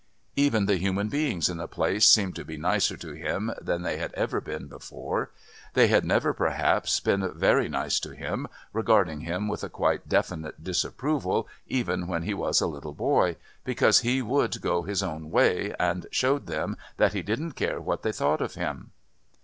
Even the human beings in the place seemed to be nicer to him than they had ever been before. They had never, perhaps, been very nice to him, regarding him with a quite definite disapproval even when he was a little boy, because he would go his own way and showed them that he didn't care what they thought of him.